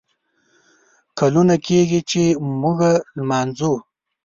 کلونه کیږي ، چې موږه لمانځو